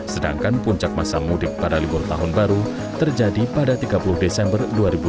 sedangkan puncak masa mudik pada libur tahun baru terjadi pada tiga puluh desember dua ribu dua puluh